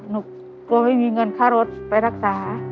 กลัวไม่มีเงินค่ารถไปรักษา